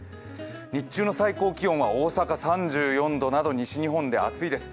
日中の最高気温は、大阪３４度など西日本で暑いです。